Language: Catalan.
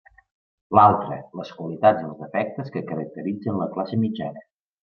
L'altre, les qualitats i els defectes que caracteritzen la classe mitjana.